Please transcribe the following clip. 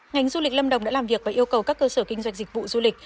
ngành du lịch lâm đồng đã làm việc và yêu cầu các cơ sở kinh doanh dịch vụ du lịch